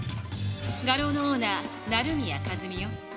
画廊のオーナー成宮数美よ。